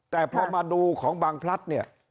แต่พอมาดูของบางพลัดเนี่ย